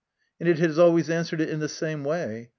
and it has always answered it in the same way.